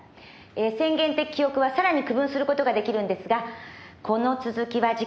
「宣言的記憶はさらに区分することができるんですがこの続きは次回にしましょう。